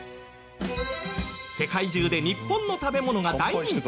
世界中で日本の食べ物が大人気。